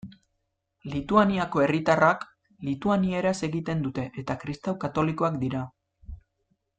Lituaniako herritarrak, lituanieraz egiten dute eta kristau katolikoak dira.